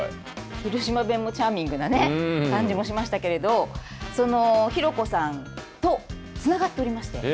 広島弁もチャーミングな感じもしましたけれどその、ひろこさんとつながっておりまして。